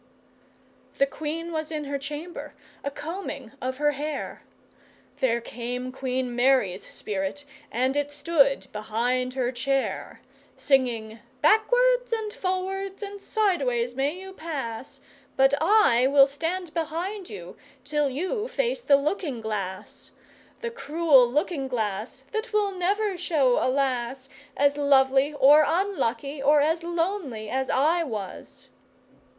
The Queen was in her chamber, a combing of her hair, There came Queen Mary's spirit and it stood behind her chair, Singing, 'Backwards and forwards and sideways you may pass, But I will stand behind you till you face the looking glass. The cruel looking glass that will never show a lass As lovely or unlucky or as lonely as I was!